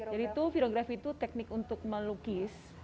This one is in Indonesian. jadi itu virografi itu teknik untuk melukis